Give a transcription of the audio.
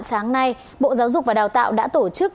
sáng nay bộ giáo dục và đào tạo đã tổ chức